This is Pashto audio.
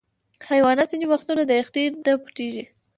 حیوانات ځینې وختونه د یخني نه پټیږي.